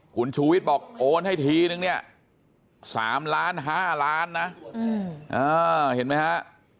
คุณชูวิชบอกโอนให้ทีนึง๓ล้าน๕ล้านนะเห็นไหมครับ